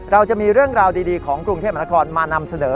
เราจะมีเรื่องราวดีของกรุงเทพมหานครมานำเสนอ